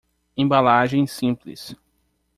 Embalagem simples